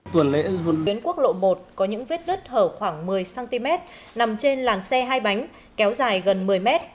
huyến quốc lộ một có những viết đứt hở khoảng một mươi cm nằm trên làn xe hai bánh kéo dài gần một mươi m